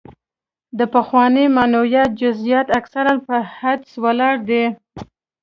د پخواني معنویت جزیات اکثره په حدس ولاړ دي.